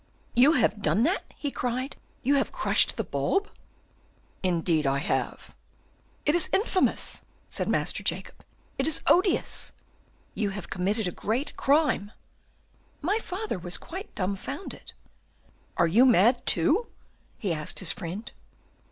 "'You have done that,' he cried, 'you have crushed the bulb?' "'Indeed I have.' "'It is infamous,' said Master Jacob, 'it is odious! You have committed a great crime!' "My father was quite dumbfounded. "'Are you mad, too?' he asked his friend."